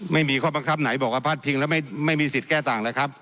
ไม่มีข้อบังคับไหนบอกว่าพลาดพิงแล้วไม่มีสิทธิ์แก้ต่างแล้วครับ